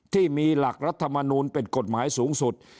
ที่มีหลักรัฐมนูลเป็นกฎหมายสูงสุด